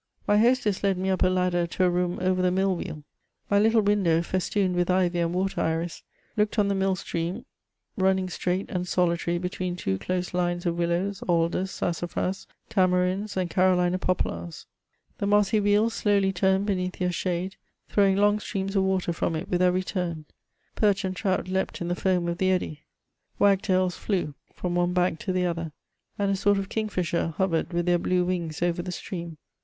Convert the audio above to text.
My hostess led me up a ladder to a room over the mill wheel. My little window, festooned with ivy and water iris, looked on the mill stream running straight and solitary between two close lines of willows, alders, sassa&as, tamarinds, and Carolina pop lars. The mossy wheel slowly turned beneath their shade, throwing long streams of water from it with every turn ; perch and trout leaped in the foam of the eddy ; wag tails flew from 294 MEMOIRS OF one bank to the other, and a sort of king^her hovered with their blue wings over the stream.